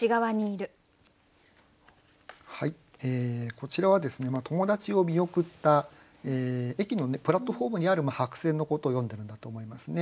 こちらは友達を見送った駅のプラットホームにある白線のことを詠んでるんだと思いますね。